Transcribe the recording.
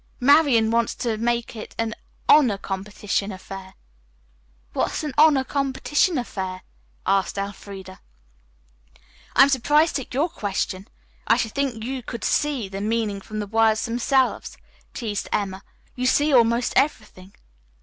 Marian wants to make it an honor competition affair." "What's an 'honor competition affair'?" asked Elfreda. "I'm surprised at your question. I should think you 'could see' the meaning from the words themselves," teased Emma. "You see almost everything."